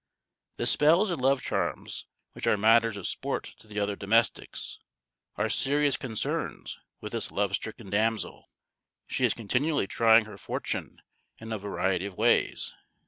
The spells and love charms, which are matters of sport to the other domestics, are serious concerns with this love stricken damsel. She is continually trying her fortune in a variety of ways.